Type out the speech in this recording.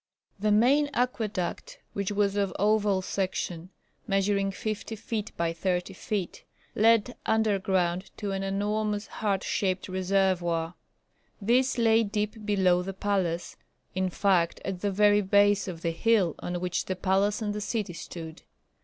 The main aqueduct which was of oval section, measuring fifty feet by thirty feet, led underground to an enormous heart shaped reservoir. This lay deep below the palace, in fact at the very base of the hill on which the palace and the city stood.